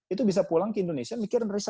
itu bisa pulang ke indonesia mikir riset saja